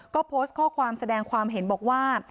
ก็โพสต์ข้อความแสดงความเห็นบอกว่า